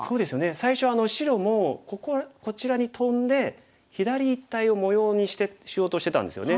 最初は白もこここちらにトンで左一帯を模様にしようとしてたんですよね。